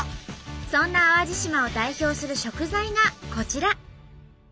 そんな淡路島を代表する食材がこちら！